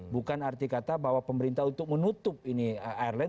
bukan arti kata bahwa pemerintah untuk menutup ini airline